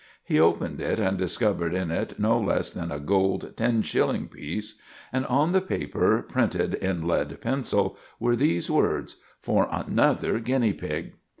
He opened it and discovered in it no less than a gold ten shilling piece; and on the paper, printed in lead pencil, were these words— "FOR ANUTHER GINNEA PIG."